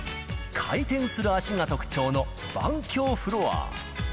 回転する足が特徴の万協フロアー。